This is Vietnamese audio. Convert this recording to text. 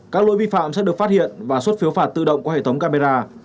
các lỗi vi phạm sẽ được phát hiện và xuất phiếu phạt tự động qua hệ thống camera